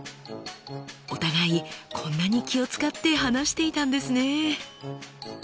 お互いこんなに気を遣って話していたんですね。